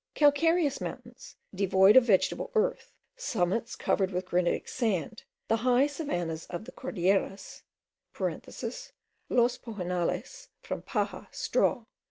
Calcareous mountains, devoid of vegetable earth, summits covered with granitic sand, the high savannahs of the Cordilleras,* (* Los Pajonales, from paja, straw.